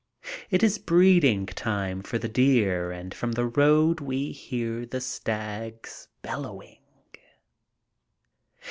It is breeding time for the deer and from the road we can hear the stags bellowing.